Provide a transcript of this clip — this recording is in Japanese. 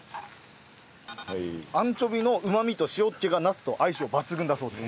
アンチョビのうまみと塩っ気がナスと相性抜群だそうです。